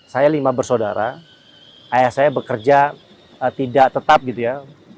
saya lima bersaudara ayah saya bekerja tidak tetap gitu ya